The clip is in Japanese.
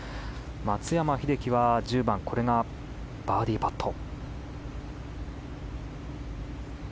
松山英樹は１０番バーディーパット。